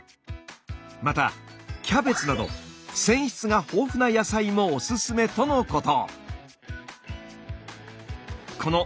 またキャベツなど繊維質が豊富な野菜もおすすめとのこと。